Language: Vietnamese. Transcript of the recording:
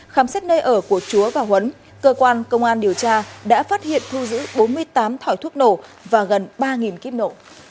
khám xét nơi ở của chúa và huấn cơ quan công an điều tra đã phát hiện thu giữ bốn mươi tám thỏi thuốc nổ và gần ba kíp nổ